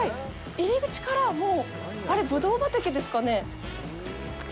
入り口からもうあれブドウ畑ですかね。